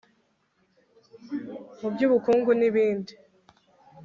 mu bukungu n'ibindi